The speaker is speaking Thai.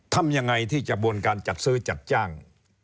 ทำยังไงที่กระบวนการจัดซื้อจัดจ้าง